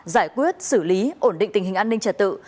giải quyết xử lý ổn định tình hình an ninh trật tự